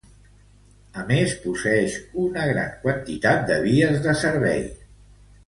A més, posseïx una gran quantitat de vies de servici.